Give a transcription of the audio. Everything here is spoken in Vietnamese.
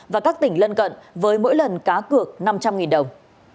và các tỉnh lân cận với mỗi lần cá cược năm trăm linh đồng